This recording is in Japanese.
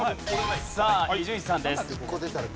さあ伊集院さんです。